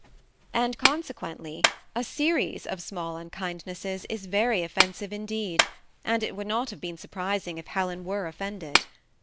And, consequently, a series of small unkindnesses is very offensive indeed, and it would not have been sur prising if Helen were offended.